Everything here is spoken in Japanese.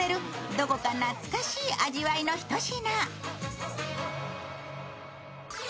どこか懐かしい味わいの一品。